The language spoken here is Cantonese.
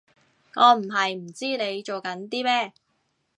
我唔係唔知你做緊啲咩